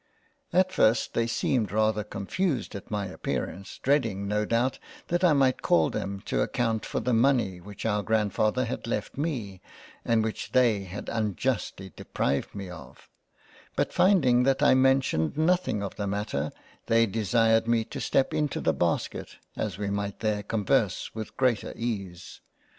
At first they seemed rather confused at my appearance dreading no doubt that I might call them to account for the money which our Grandfather had left me and which they had unjustly deprived me of, but finding that I mentioned nothing of the Matter, they desired me to step into the Basket as we might there converse with greater ease.